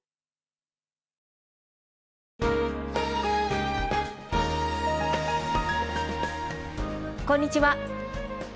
こんにちは。